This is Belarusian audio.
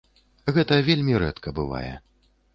Гэта вельмі рэдка бывае.